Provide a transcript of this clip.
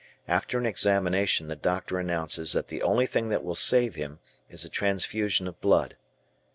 After an examination the doctor announces that the only thing that will save him is a transfusion of blood.